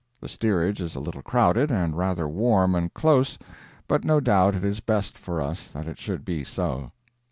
The steerage is a little crowded, and rather warm and close, but no doubt it is best for us that it should be so.